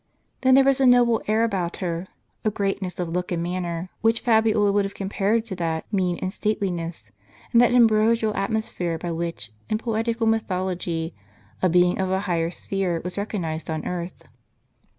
Then there was a noble air about her, a greatness of look and manner, which Fabiola would have compared to that mien and stateliness, and that ambrosial atmosphere by which, in poetical mythology, a being of a higher sphere was recognized on earth.